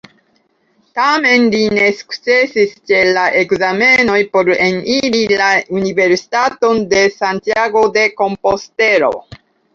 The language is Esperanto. Tamen, li ne sukcesis ĉe la ekzamenoj por eniri la Universitaton de Santiago-de-Kompostelo.